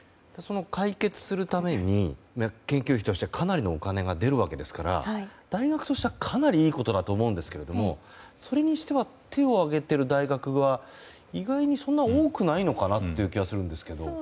解決するために研究費としてかなりのお金が出るわけですから大学としてはかなりいいことだと思うんですがそれにしては手を挙げている大学が意外に、そんなに多くないのかなという気がするんですが。